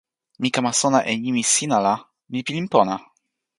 mi kama sona e nimi sina la, mi pilin pona!